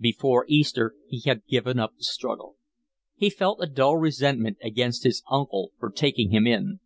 Before Easter he had given up the struggle. He felt a dull resentment against his uncle for taking him in.